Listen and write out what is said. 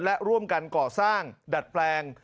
และร่วมกันก่อสร้างดัดแปลง